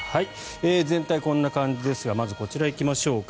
全体こんな感じですがまず、こちら行きましょうか。